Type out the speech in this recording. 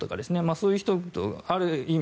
そういう人々をある意味